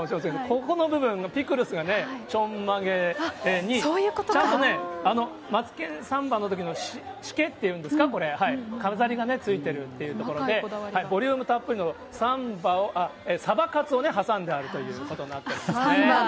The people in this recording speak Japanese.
ここの部分がピクルスがね、ちょんまげに、ちゃんとね、マツケンサンバのときのしけっていうんですか、飾りがね、ついてるっていう、ボリュームたっぷりのサンバを、サバカツをね、挟んであるということになっておりますね。